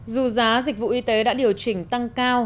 dù giá dịch vụ y tế đã điều chỉnh tăng cao